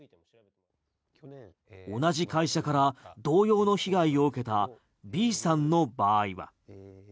同じ会社から同様の被害を受けたＢさんの場合は。